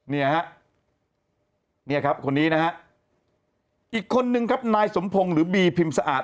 เนี่ยฮะเนี่ยครับคนนี้นะฮะอีกคนนึงครับนายสมพงศ์หรือบีพิมพ์สะอาด